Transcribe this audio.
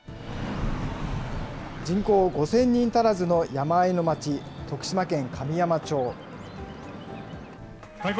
人口５０００人足らずの山あいの町、徳島県神山町。